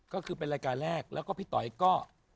ก็คือเป็นรายการแรกแล้วก็พี่ต๋อยก็